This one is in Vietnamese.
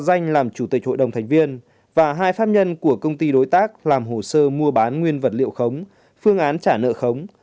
danh làm chủ tịch hội đồng thành viên và hai pháp nhân của công ty đối tác làm hồ sơ mua bán nguyên vật liệu khống phương án trả nợ khống